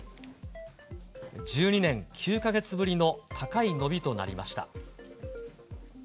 １２年９か月ぶりの高い伸びとなりました。